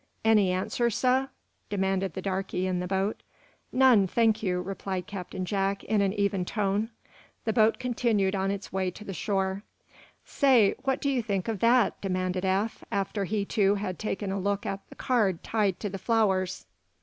"Any answer, sah?" demanded the darkey in the boat. "None, thank you," replied Captain Jack, in an even tone. The boat continued on its way to the shore. "Say, what do you think of that?" demanded Eph, after he, too, had taken a look at the card tied to the flowers.